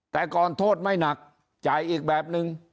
แต่ก่อนโทษไม่หนักจ่ายอีกแบบนึง